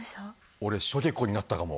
俺しょげこになったかも。